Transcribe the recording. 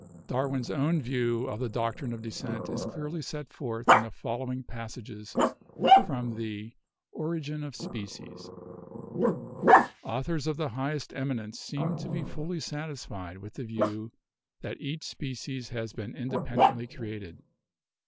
Darwin's own view of the doctrine of descent is clearly set forth in the following passages from the 'Origin of Species' : "Authors of the highest eminence seem to be fully satisfied with the view that each species has been independently created.